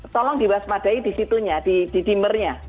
tolong diwaspadai di situnya di dimernya